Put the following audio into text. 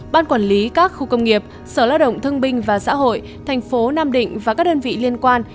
ban quản lý các khu công nghiệp sở lao động thương binh và xã hội thành phố nam định và các đơn vị liên quan